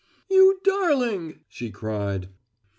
"You darling!" she cried.